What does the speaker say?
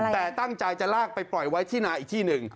แต่ตั้งใจจะลากไปปล่อยไว้ที่นาอีกที่หนึ่ง